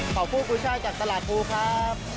ขอบคู่กุชช่องจากตลาดทูครับ